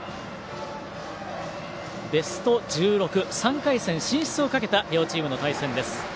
ベスト１６、３回戦進出をかけた両チームの対戦です。